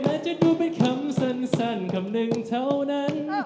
และจะดูเป็นคำสั้นคำหนึ่งเท่านั้น